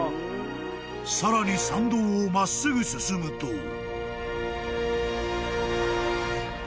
［さらに参道を真っすぐ進むと］